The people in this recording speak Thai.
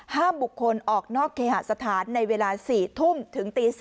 ห้ามบุคคลออกนอกเคหาสถานในเวลา๔ทุ่มถึงตี๔